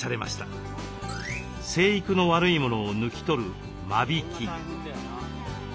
生育の悪いものを抜き取る間引き。